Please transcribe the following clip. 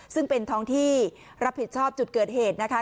ซึ่งเป็นท้องที่รับผิดชอบจุดเกิดเหตุนะคะ